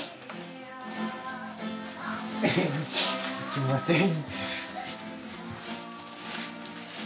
すみません。